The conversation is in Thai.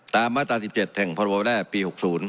ตามมาตรา๑๗แห่งพวแรปี๖๐